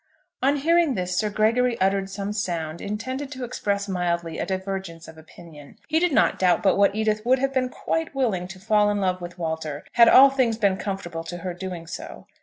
On hearing this Sir Gregory uttered some sound intended to express mildly a divergence of opinion. He did not doubt but what Edith would have been quite willing to fall in love with Walter, had all things been conformable to her doing so.